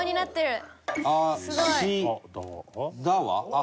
「あ」